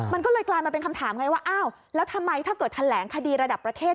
มันก็เลยกลายมาเป็นคำถามไงว่าอ้าวแล้วทำไมถ้าเกิดแถลงคดีระดับประเทศ